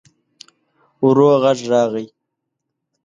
ورو غږ راغی.